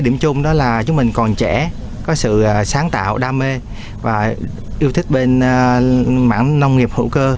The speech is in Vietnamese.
điểm chung đó là chúng mình còn trẻ có sự sáng tạo đam mê và yêu thích bên mảng nông nghiệp hữu cơ